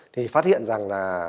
thì phát hiện rằng